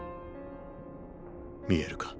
見えるか？